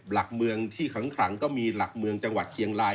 หลักเมืองที่ขังก็มีหลักเมืองจังหวัดเชียงราย